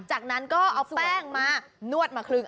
จากนั้นก็เอาแป้งมานวดมาคลึง